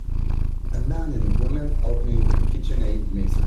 A man and a woman opening a KitchenAid mixer.